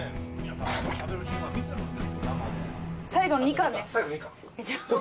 最後２貫です。